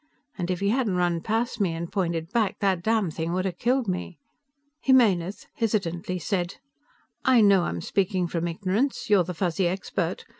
And if he hadn't run past me and pointed back, that damnthing would have killed me." Jimenez, hesitantly, said, "I know I'm speaking from ignorance. You're the Fuzzy expert.